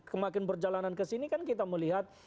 kemakin berjalanan ke sini kan kita melihat